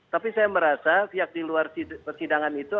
tapi saya merasa pihak di luar persidangan itu